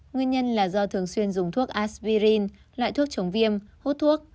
nguyên nhân là do thường xuyên dùng thuốc asvine loại thuốc chống viêm hút thuốc